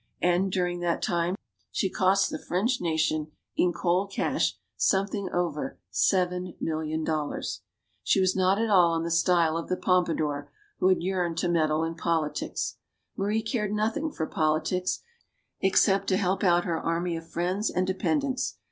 And, during that time, she cost the French nation, in cold cash, something over seven million dollars. She was not at all on the style of the Pompadour, who had yearned to meddle in politics. Marie cared nothing for politics, except to help out her army of friends and dependents.